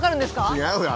違うよ。